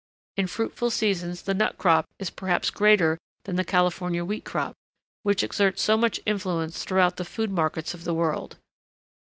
In fruitful seasons the nut crop is perhaps greater than the California wheat crop, which exerts so much influence throughout the food markets of the world.